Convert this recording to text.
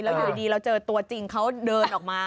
แล้วอยู่ดีเราเจอตัวจริงเขาเดินออกมา